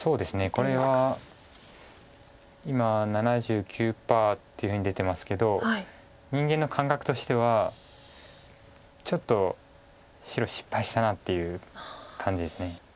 これは今７９％っていうふうに出てますけど人間の感覚としてはちょっと白失敗したなっていう感じです。